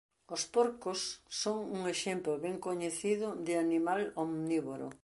Os porcos son un exemplo ben coñecido de animal omnívoro.